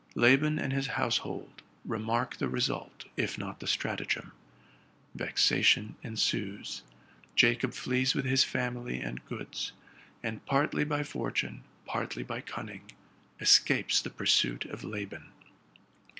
Laban and his household remark the result, if not the stratagem. Vexa tion ensues: Jacob flees with his famity and goods, and partly by fortune, partly by cunning, escapes the pursuit of Laban.